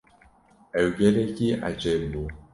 Ew gelekî ecêb bû.